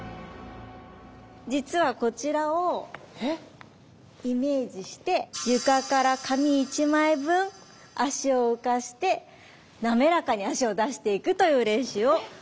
実はこちらをイメージして床から紙１枚分足を浮かせて滑らかに足を出していくという練習を今日はしていきたいと思います。